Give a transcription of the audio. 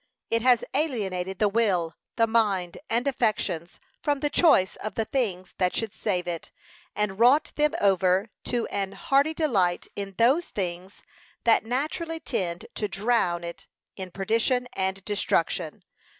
It has alienated the will, the mind, and affections, from the choice of the things that should save it, and wrought them over to an hearty delight in those things that naturally tend to drown it in perdition and destruction.